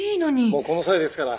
もうこの際ですから。